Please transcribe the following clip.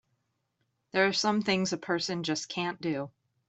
There are some things a person just can't do!